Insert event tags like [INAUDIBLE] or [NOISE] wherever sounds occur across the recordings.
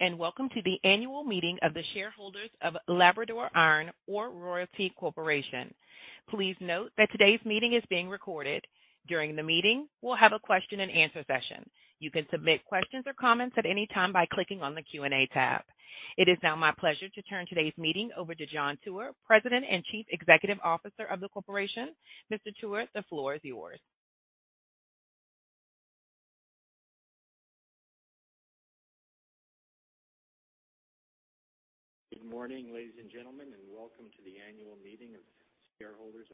Hello, welcome to the annual meeting of the shareholders of Labrador and Iron Ore Royalty Corporation. Please note that today's meeting is being recorded. During the meeting, we'll have a question and answer session. You can submit questions or comments at any time by clicking on the Q&A tab. It is now my pleasure to turn today's meeting over to John Tuer, President and Chief Executive Officer of the corporation. Mr. Tuer, the floor is yours. Good morning, ladies and gentlemen, welcome to the annual meeting of shareholders.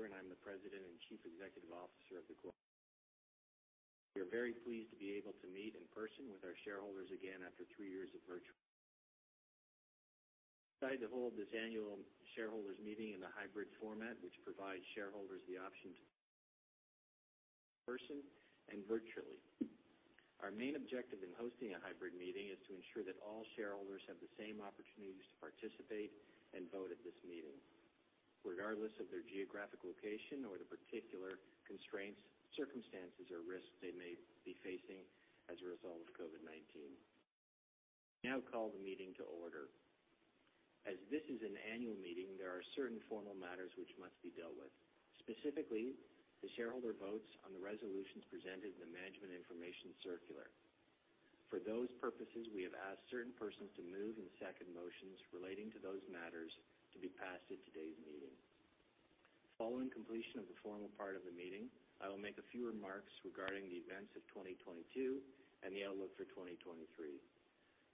I'm the President and Chief Executive Officer of the corporation. We are very pleased to be able to meet in person with our shareholders again after three years of virtual. We decided to hold this annual shareholders meeting in a hybrid format, which provides shareholders the option to in person and virtually. Our main objective in hosting a hybrid meeting is to ensure that all shareholders have the same opportunities to participate and vote at this meeting, regardless of their geographic location or the particular constraints, circumstances or risks they may be facing as a result of COVID-19. Now call the meeting to order. As this is an annual meeting, there are certain formal matters which must be dealt with, specifically the shareholder votes on the resolutions presented in the management information circular. For those purposes, we have asked certain persons to move and second motions relating to those matters to be passed at today's meeting. Following completion of the formal part of the meeting, I will make a few remarks regarding the events of 2022 and the outlook for 2023.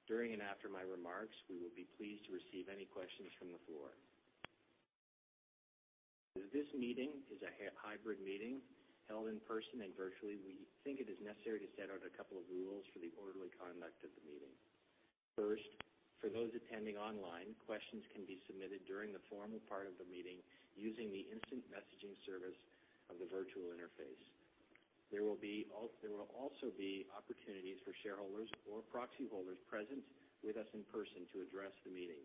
During and after my remarks, we will be pleased to receive any questions from the floor. This meeting is a hybrid meeting held in person and virtually. We think it is necessary to set out a couple of rules for the orderly conduct of the meeting. For those attending online, questions can be submitted during the formal part of the meeting using the instant messaging service of the virtual interface. There will also be opportunities for shareholders or proxy holders present with us in person to address the meeting.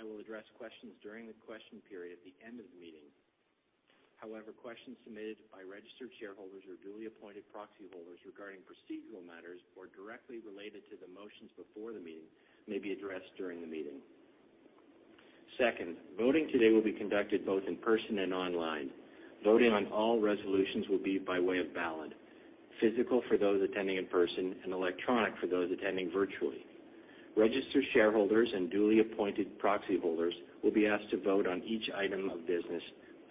I will address questions during the question period at the end of the meeting. However, questions submitted by registered shareholders or duly appointed proxy holders regarding procedural matters or directly related to the motions before the meeting may be addressed during the meeting. Second, voting today will be conducted both in person and online. Voting on all resolutions will be by way of ballot, physical for those attending in person, and electronic for those attending virtually. Registered shareholders and duly appointed proxy holders will be asked to vote on each item of business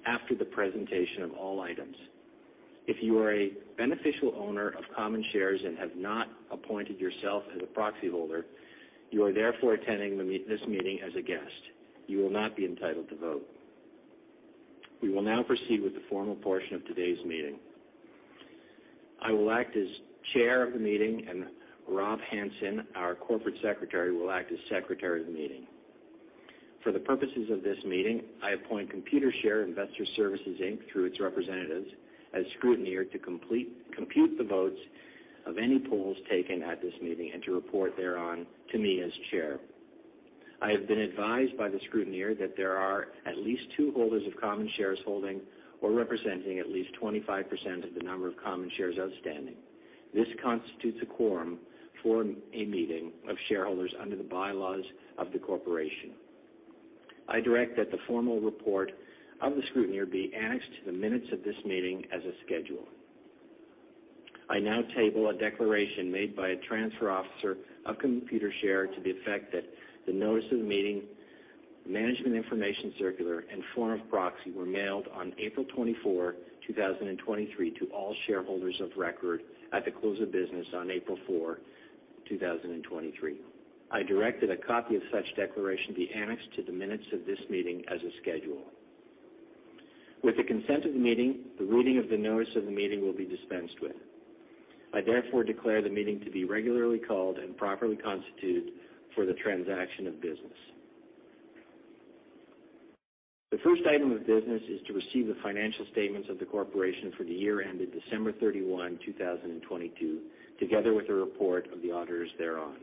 after the presentation of all items. If you are a beneficial owner of common shares and have not appointed yourself as a proxy holder, you are therefore attending this meeting as a guest. You will not be entitled to vote. We will now proceed with the formal portion of today's meeting. I will act as chair of the meeting, and Robert Hansen, our corporate secretary, will act as secretary of the meeting. For the purposes of this meeting, I appoint Computershare Investor Services Inc. through its representatives as scrutineer to compute the votes of any polls taken at this meeting and to report thereon to me as chair. I have been advised by the scrutineer that there are at least two holders of common shares holding or representing at least 25% of the number of common shares outstanding. This constitutes a quorum for a meeting of shareholders under the bylaws of the corporation. I direct that the formal report of the scrutineer be annexed to the minutes of this meeting as a schedule. I now table a declaration made by a transfer officer of Computershare to the effect that the notice of the meeting, management information circular, and form of proxy were mailed on April 24, 2023 to all shareholders of record at the close of business on April 4, 2023. I directed a copy of such declaration be annexed to the minutes of this meeting as a schedule. With the consent of the meeting, the reading of the notice of the meeting will be dispensed with. I therefore declare the meeting to be regularly called and properly constituted for the transaction of business. The first item of business is to receive the financial statements of the corporation for the year ended December 31, 2022, together with a report of the auditors thereon.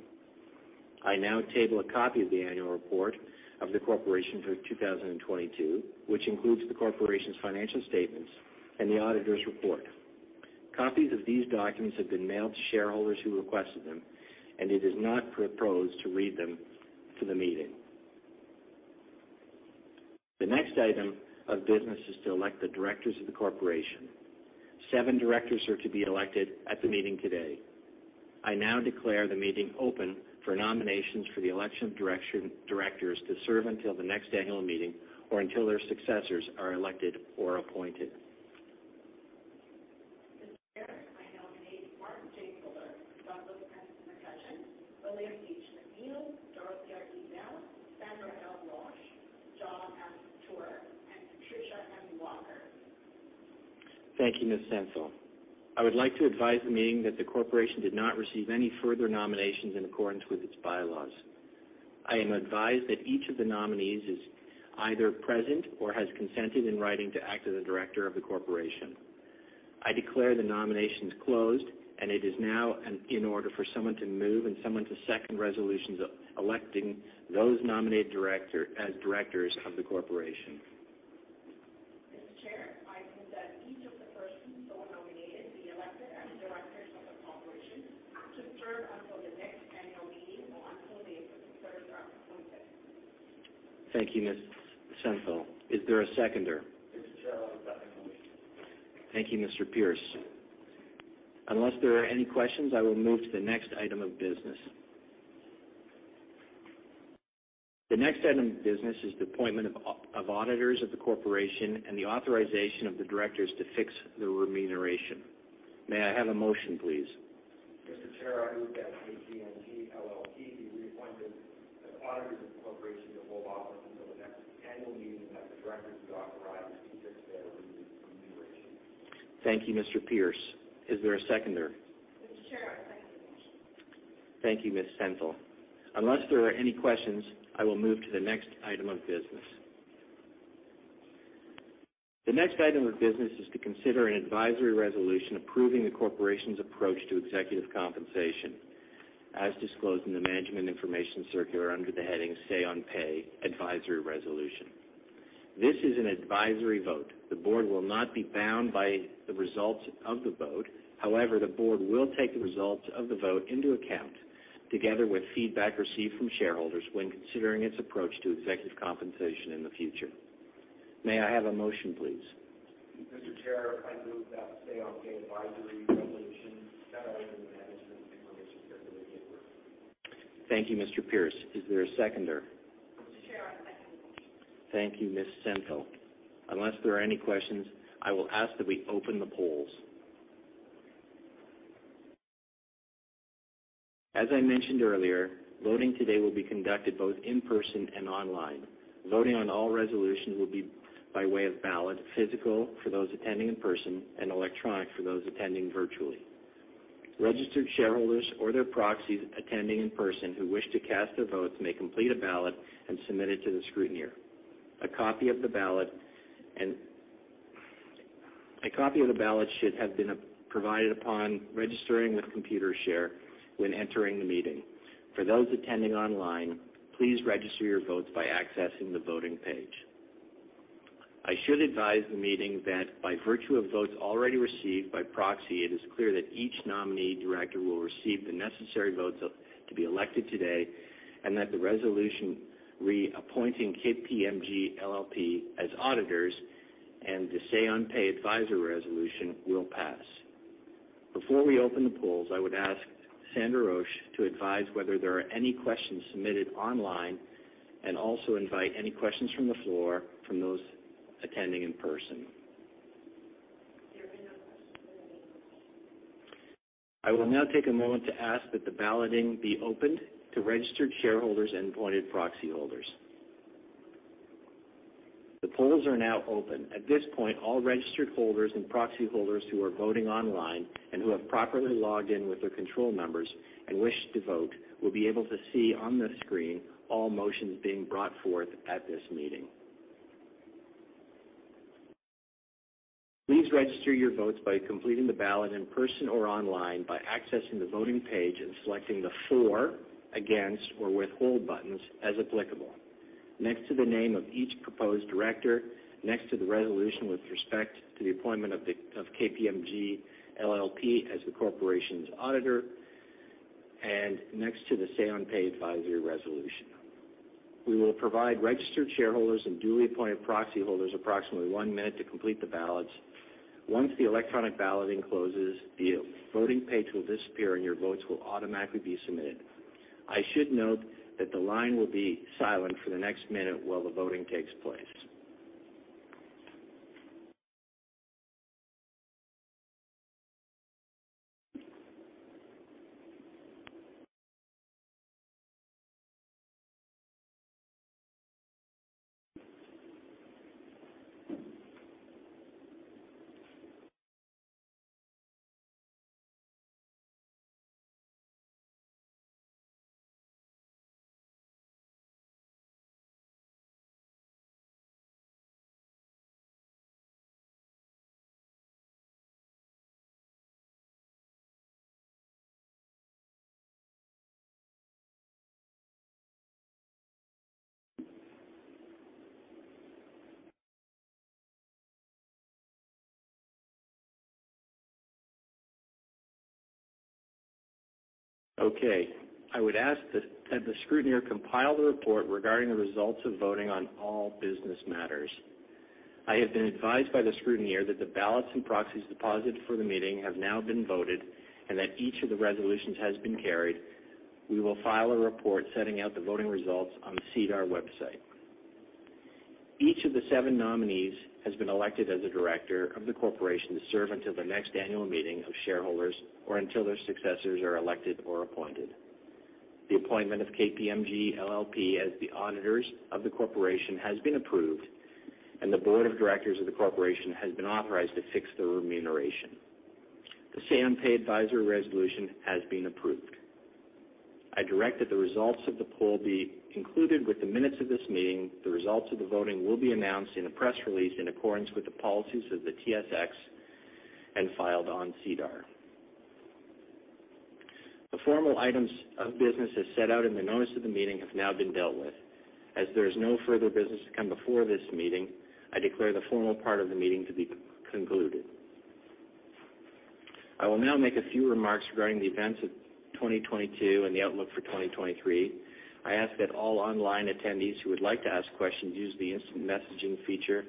I now table a copy of the annual report of the corporation for 2022, which includes the corporation's financial statements and the auditor's report. Copies of these documents have been mailed to shareholders who requested them, it is not proposed to read them to the meeting. The next item of business is to elect the directors of the corporation. Seven directors are to be elected at the meeting today. I now declare the meeting open for nominations for the election of directors to serve until the next annual meeting or until their successors are elected or appointed. Mr. Chair, I nominate Mark J. Fuller, Douglas F. McCutcheon, William H. McNeil, Dorothea E. Mell, Sandra L. Rosch, John F. Tuer, and Patricia M. Volker. Thank you, Ms. Sansol. I would like to advise the meeting that the Corporation did not receive any further nominations in accordance with its bylaws. I am advised that each of the nominees is either present or has consented in writing to act as a Director of the Corporation. I declare the nominations closed. It is now in order for someone to move and someone to second resolutions electing those nominated Director as directors of the Corporation. Mr. Chair, I move that each of the persons so nominated be elected as directors of the Corporation to serve until the next annual meeting or until they have been further appointed. Thank you, Ms. Sentell. Is there a seconder? Mr. Chair, I second the motion. Thank you, Mr. Pearce. Unless there are any questions, I will move to the next item of business. The next item of business is the appointment of auditors of the corporation and the authorization of the directors to fix the remuneration. May I have a motion, please? Mr. Chair, I move that KPMG LLP be reappointed as auditors of the corporation to hold office until the next annual meeting that the directors be authorized to fix their remuneration. Thank you, Mr. Pearce. Is there a seconder? Mr. Chair, I second the motion. Thank you, Ms. Sentell. Unless there are any questions, I will move to the next item of business. The next item of business is to consider an advisory resolution approving the corporation's approach to executive compensation, as disclosed in the management information circular under the heading Say-on-pay Advisory Resolution. This is an advisory vote. The board will not be bound by the results of the vote. However, the board will take the results of the vote into account, together with feedback received from shareholders when considering its approach to executive compensation in the future. May I have a motion, please? Mr. Chair, I move that Say-on-pay advisory resolution set out in the management information circular be approved. Thank you, Mr. Pearce. Is there a seconder? Mr. Chair, I second the motion. Thank you, Ms. Sentell. Unless there are any questions, I will ask that we open the polls. As I mentioned earlier, voting today will be conducted both in person and online. Voting on all resolutions will be by way of ballot, physical for those attending in person, and electronic for those attending virtually. Registered shareholders or their proxies attending in person who wish to cast their votes may complete a ballot and submit it to the scrutineer. A copy of the ballot should have been provided upon registering with Computershare when entering the meeting. For those attending online, please register your votes by accessing the voting page. I should advise the meeting that by virtue of votes already received by proxy, it is clear that each nominee director will receive the necessary votes to be elected today, and that the resolution reappointing KPMG LLP as auditors and the Say-on-pay advisory resolution will pass. Before we open the polls, I would ask Sandra Rosch to advise whether there are any questions submitted online and also invite any questions from the floor from those attending in person [AUDIO DISTORTION] I will now take a moment to ask that the balloting be opened to registered shareholders and appointed proxy holders. The polls are now open. At this point, all registered holders and proxy holders who are voting online and who have properly logged in with their control numbers and wish to vote will be able to see on the screen all motions being brought forth at this meeting. Please register your votes by completing the ballot in person or online by accessing the voting page and selecting the for, against, or withhold buttons as applicable. Next to the name of each proposed director, next to the resolution with respect to the appointment of KPMG LLP as the corporation's auditor, and next to the Say-on-pay advisory resolution. We will provide registered shareholders and duly appointed proxy holders approximately one minute to complete the ballots. Once the electronic balloting closes, the voting page will disappear, and your votes will automatically be submitted. I should note that the line will be silent for the next minute while the voting takes place. Okay. I would ask that the scrutineer compile the report regarding the results of voting on all business matters. I have been advised by the scrutineer that the ballots and proxies deposited for the meeting have now been voted, and that each of the resolutions has been carried. We will file a report setting out the voting results on the SEDAR website. Each of the seven nominees has been elected as a director of the corporation to serve until the next annual meeting of shareholders or until their successors are elected or appointed. The appointment of KPMG LLP as the auditors of the corporation has been approved, and the board of directors of the corporation has been authorized to fix their remuneration. The Say-on-pay advisory resolution has been approved. I direct that the results of the poll be included with the minutes of this meeting. The results of the voting will be announced in a press release in accordance with the policies of the TSX and filed on SEDAR. The formal items of business as set out in the notice of the meeting have now been dealt with. As there is no further business to come before this meeting, I declare the formal part of the meeting to be concluded. I will now make a few remarks regarding the events of 2022 and the outlook for 2023. I ask that all online attendees who would like to ask questions use the instant messaging feature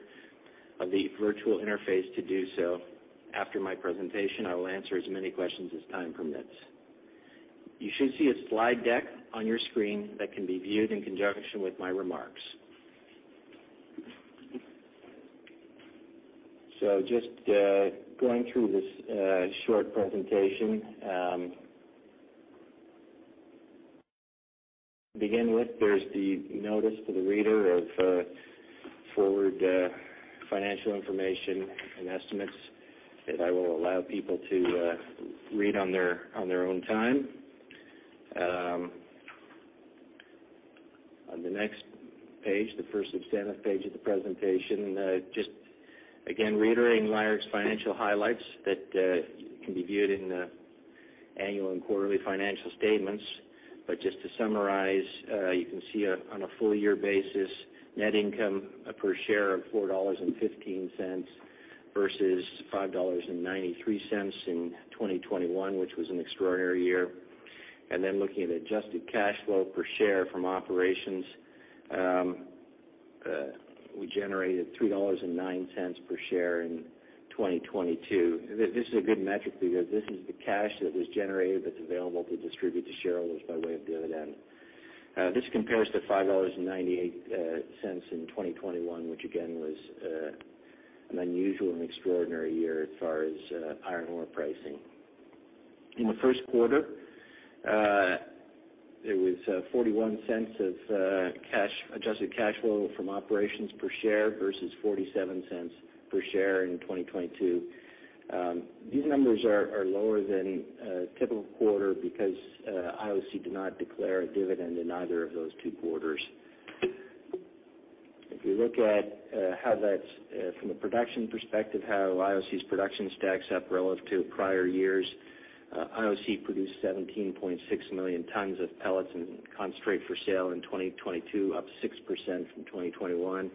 of the virtual interface to do so. After my presentation, I will answer as many questions as time permits. You should see a slide deck on your screen that can be viewed in conjunction with my remarks. Just going through this short presentation. To begin with, there's the notice to the reader of forward financial information and estimates that I will allow people to read on their own time. On the next page, the first substantive page of the presentation, just again reiterating LIORC's financial highlights that can be viewed in annual and quarterly financial statements. Just to summarize, you can see on a full year basis, net income per share of 4.15 dollars versus 5.93 dollars in 2021, which was an extraordinary year. Then looking at adjusted cash flow per share from operations, we generated 3.09 dollars per share in 2022. This is a good metric because this is the cash that was generated that's available to distribute to shareholders by way of dividend. This compares to 5.98 dollars in 2021, which again was an unusual and extraordinary year as far as iron ore pricing. In the first quarter, it was 0.41 of adjusted cash flow from operations per share versus 0.47 per share in 2022. These numbers are lower than a typical quarter because IOC did not declare a dividend in either of those two quarters. If you look at how that's from a production perspective, how IOC's production stacks up relative to prior years, IOC produced 17.6 million tons of pellets and concentrate for sale in 2022, up 6% from 2021.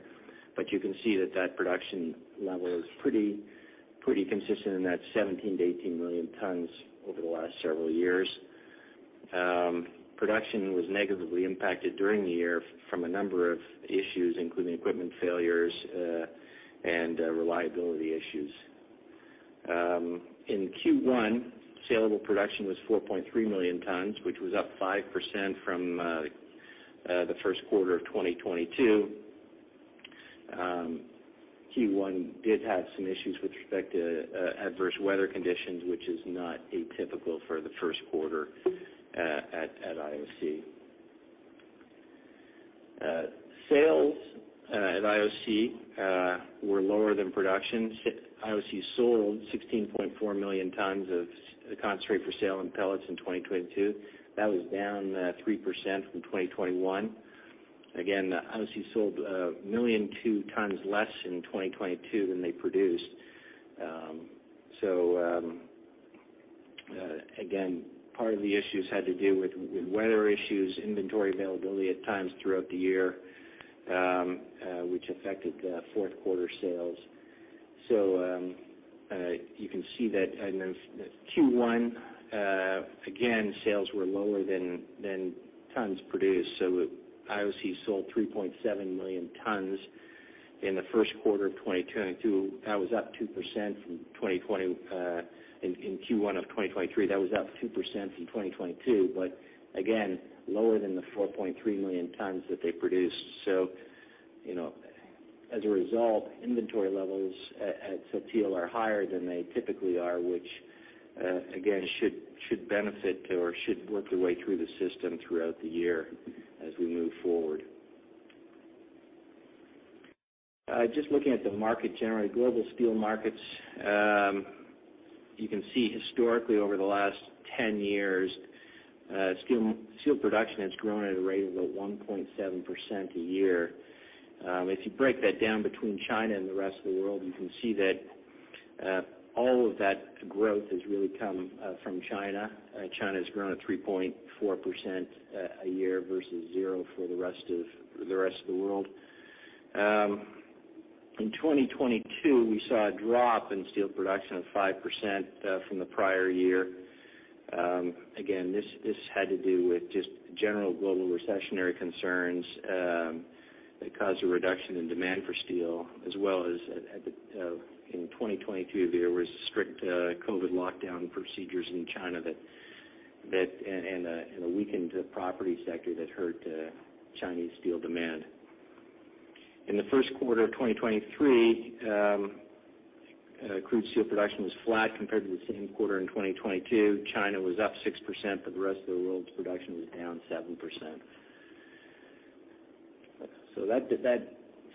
You can see that that production level is pretty consistent in that 17 million-18 million tons over the last several years. Production was negatively impacted during the year from a number of issues, including equipment failures and reliability issues. In Q1, salable production was 4.3 million tons, which was up 5% from the first quarter of 2022. Q1 did have some issues with respect to adverse weather conditions, which is not atypical for the first quarter at IOC. Sales at IOC were lower than production. IOC sold 16.4 million tons of concentrate for sale and pellets in 2022. That was down 3% from 2021. Again, IOC sold million 2 tons less in 2022 than they produced. Again, part of the issues had to do with weather issues, inventory availability at times throughout the year, which affected the fourth quarter sales. You can see that and then Q1, again, sales were lower than tons produced. IOC sold 3.7 million tons in the first quarter of 2022. that was up 2% from 2022. Again, lower than the 4.3 million tons that they produced. You know, as a result, inventory levels at Sept-Îles are higher than they typically are, which again, should benefit or should work their way through the system throughout the year as we move forward. Just looking at the market generally, global steel markets, you can see historically over the last 10 years, steel production has grown at a rate of about 1.7% a year. If you break that down between China and the rest of the world, you can see that all of that growth has really come from China. China's grown at 3.4% a year versus zero for the rest of the world. In 2022, we saw a drop in steel production of 5% from the prior year. Again, this had to do with just general global recessionary concerns that caused a reduction in demand for steel, as well as at the in 2022, there was strict COVID lockdown procedures in China that and a weakened property sector that hurt Chinese steel demand. In the first quarter of 2023, crude steel production was flat compared to the same quarter in 2022. China was up 6% the rest of the world's production was down 7%. That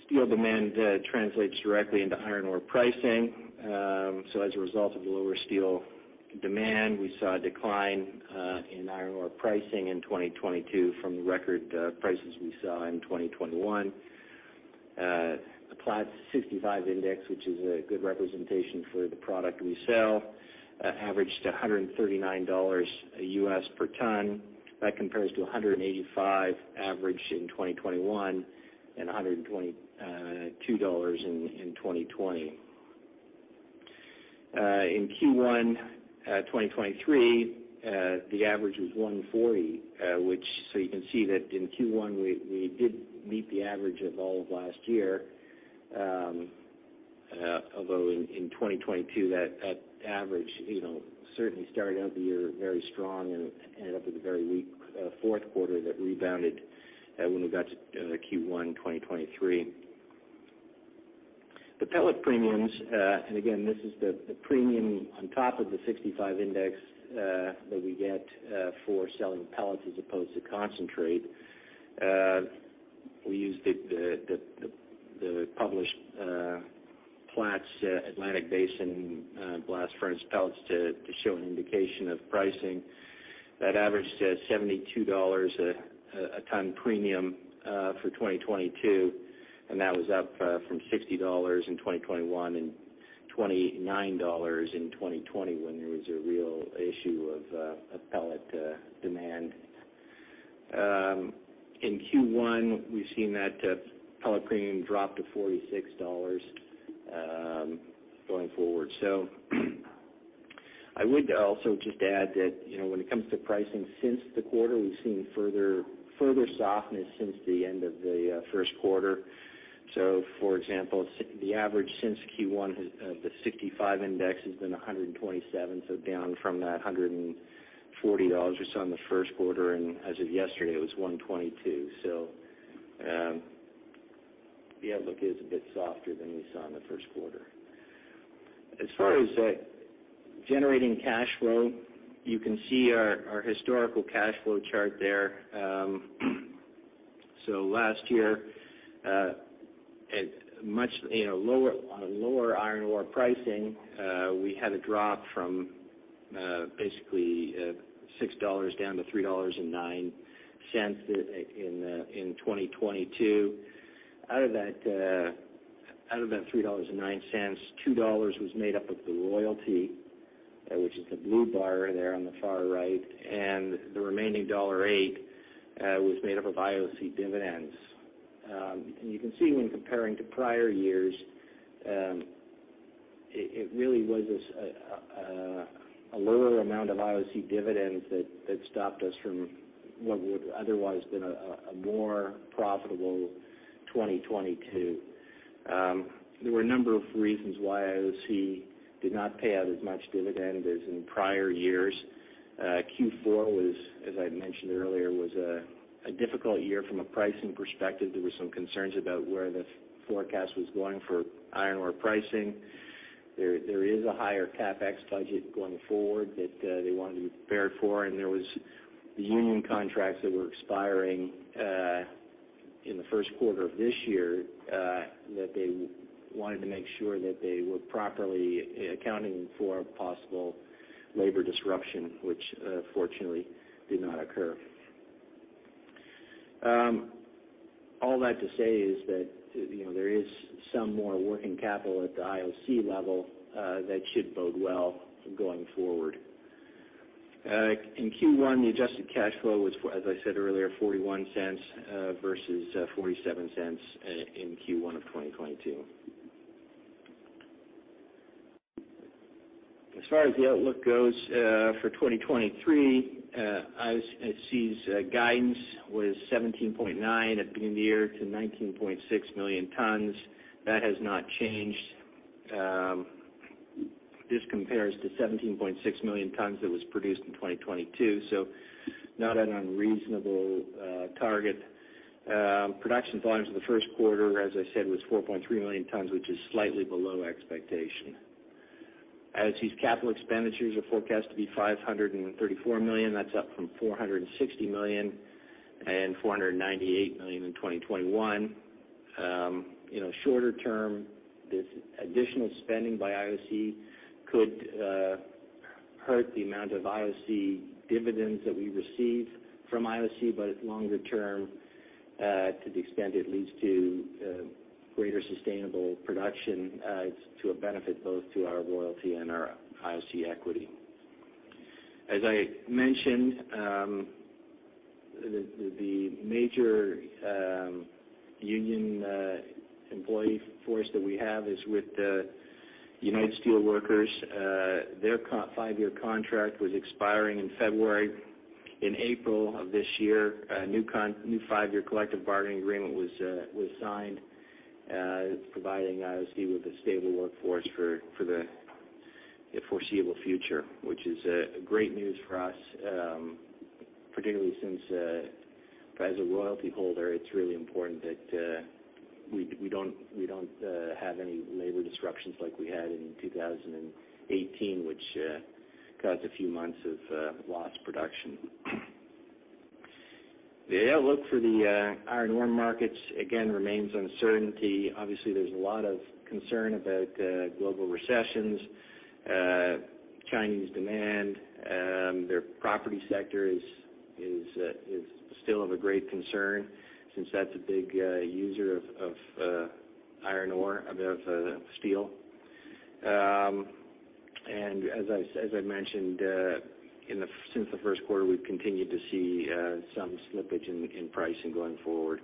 steel demand translates directly into iron ore pricing. As a result of the lower steel demand, we saw a decline in iron ore pricing in 2022 from the record prices we saw in 2021. The Platts 65 Index, which is a good representation for the product we sell, averaged $139 a US per ton. That compares to a $185 average in 2021, and $122 in 2020. In Q1 2023, the average was $140, which you can see that in Q1, we did meet the average of all of last year. Although in 2022, that average, you know, certainly started out the year very strong and ended up with a very weak fourth quarter that rebounded when we got to Q1 2023. The pellet premiums, and again, this is the premium on top of the 65 index that we get for selling pellets as opposed to concentrate. We use the published Platts Atlantic Basin blast furnace pellets to show an indication of pricing. That averaged at $72 a ton premium for 2022, and that was up from $60 in 2021 and $29 in 2020 when there was a real issue of pellet demand. In Q1, we've seen that pellet premium drop to $46 going forward. I would also just add that, you know, when it comes to pricing, since the quarter, we've seen further softness since the end of the first quarter. For example, the average since Q1 has the 65 index has been $127, so down from that $140 we saw in the first quarter. As of yesterday, it was $122. The outlook is a bit softer than we saw in the first quarter. As far as generating cash flow, you can see our historical cash flow chart there. Last year, at much, you know, lower, on a lower iron ore pricing, we had a drop from, basically, 6 dollars down to 3.09 dollars in 2022. Out of that 3.09 dollars, 2 dollars was made up of the royalty, which is the blue bar there on the far right, and the remaining dollar 1.08 was made up of IOC dividends. You can see when comparing to prior years, it really was a lower amount of IOC dividends that stopped us from what would otherwise been a more profitable 2022. There were a number of reasons why IOC did not pay out as much dividend as in prior years. Q4 was, as I mentioned earlier, was a difficult year from a pricing perspective. There were some concerns about where the forecast was going for iron ore pricing. There is a higher CapEx budget going forward that they wanted to be prepared for, and there was the union contracts that were expiring in the first quarter of this year that they wanted to make sure that they were properly accounting for possible labor disruption, which fortunately did not occur. All that to say is that, you know, there is some more working capital at the IOC level that should bode well going forward. In Q1, the adjusted cash flow was as I said earlier, 0.41 versus 0.47 in Q1 of 2022. As far as the outlook goes, for 2023, IOC's guidance was 17.9 at the end of the year to 19.6 million tons. That has not changed. This compares to 17.6 million tons that was produced in 2022, not an unreasonable target. Production volumes in the first quarter, as I said, was 4.3 million tons, which is slightly below expectation. IOC's capital expenditures are forecast to be 534 million. That's up from 460 million, and 498 million in 2021. You know, shorter term, this additional spending by IOC could hurt the amount of IOC dividends that we receive from IOC, but longer term, to the extent it leads to greater sustainable production, it's to a benefit both to our royalty and our IOC equity. As I mentioned, the major union employee force that we have is with the United Steelworkers. Their five-year contract was expiring in February. In April of this year, a new five year collective bargaining agreement was signed, providing IOC with a stable workforce for the foreseeable future, which is great news for us, particularly since as a royalty holder, it's really important that we don't have any labor disruptions like we had in 2018, which caused a few months of lost production. The outlook for the iron ore markets, again, remains uncertainty. Chinese demand. Their property sector is still of a great concern since that's a big user of iron ore of steel. As I, as I mentioned, since the first quarter, we've continued to see some slippage in pricing going forward.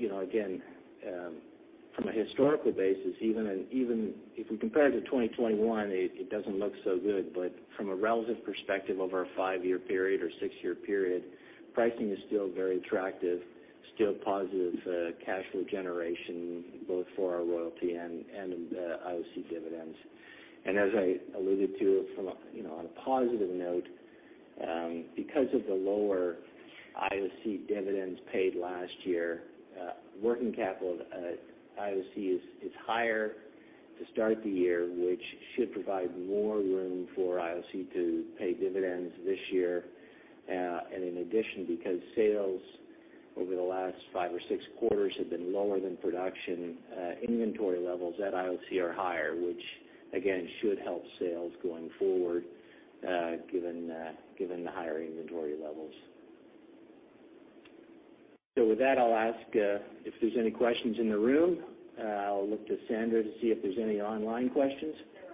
You know, again, from a historical basis, if we compare to 2021, it doesn't look so good. From a relative perspective, over a five year period or six year period, pricing is still very attractive, still positive cash flow generation both for our royalty and IOC dividends. As I alluded to from a, you know, on a positive note, because of the lower IOC dividends paid last year, working capital at IOC is higher to start the year, which should provide more room for IOC to pay dividends this year. In addition, because sales over the last five or six quarters have been lower than production, inventory levels at IOC are higher, which again should help sales going forward, given the higher inventory levels. With that, I'll ask if there's any questions in the room. I'll look to Sandra to see if there's any online questions. There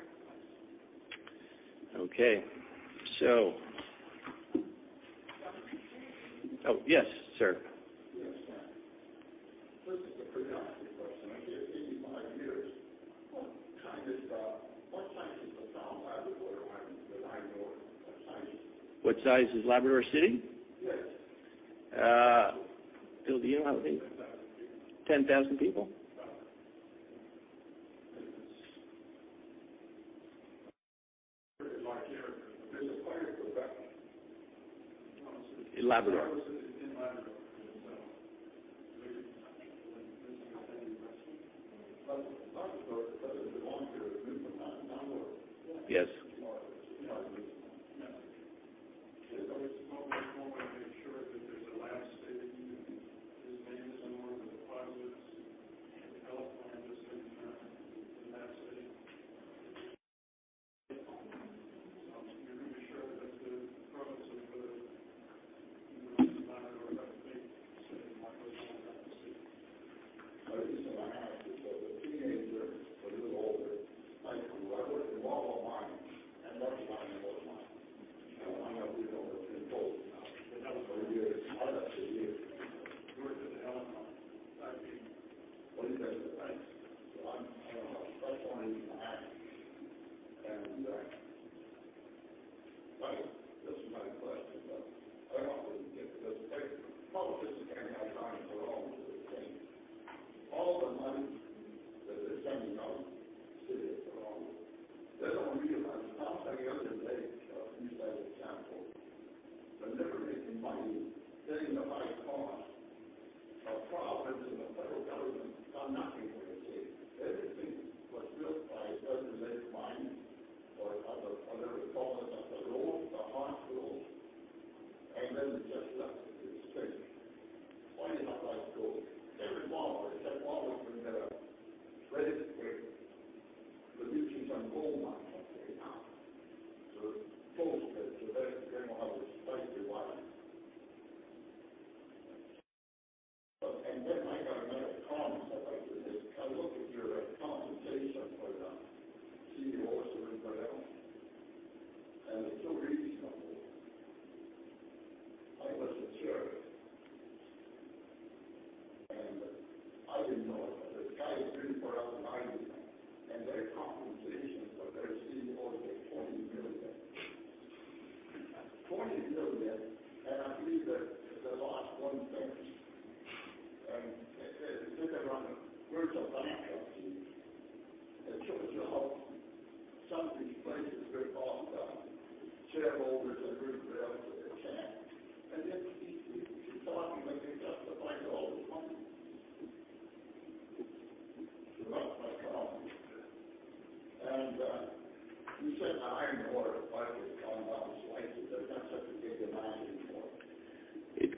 are no question Okay. Oh, yes, sir.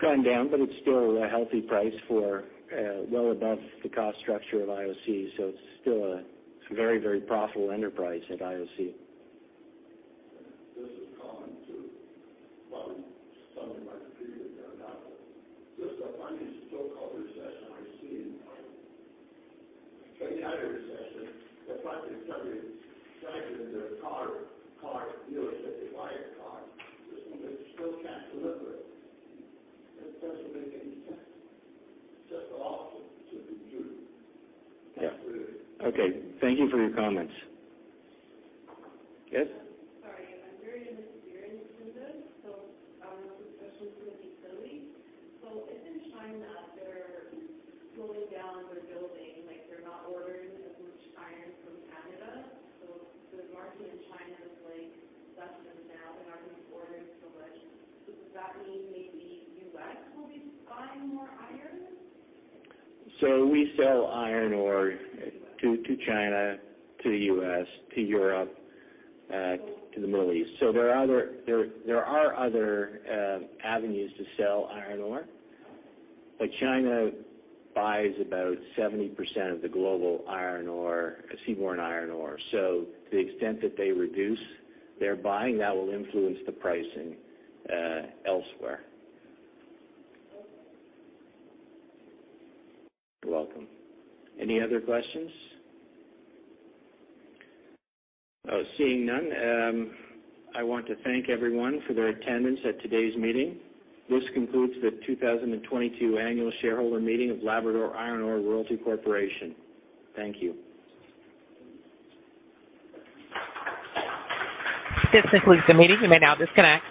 It's gone down, but it's still a healthy price for, well above the cost structure of IOC. It's still a very, very profitable enterprise at IOC. This is common to while some of my computer did not. This is the funniest so-called recession I've seen. They had a recession. The price is coming back in their car dealers that they buy a car. This one, they still can't deliver it. It doesn't make any sense. It's just an option to be true. Yeah. Okay. Thank you for your comments. Yes? Sorry, I'm very inexperienced in this, especially with utility. If it's China, they're slowing down their building, like they're not ordering as much iron from Canada. The market in China is like less than now. They're not going to be ordering so much. Does that mean maybe U.S. will be buying more iron? We sell iron ore to China, to the U.S., to Europe, to the Middle East. There are other avenues to sell iron ore. China buys about 70% of the global iron ore, seaborne iron ore. To the extent that they reduce their buying, that will influence the pricing elsewhere. Okay. You're welcome. Any other questions? Seeing none, I want to thank everyone for their attendance at today's meeting. This concludes the 2022 annual shareholder meeting of Labrador Iron Ore Royalty Corporation. Thank you. This concludes the meeting. You may now disconnect.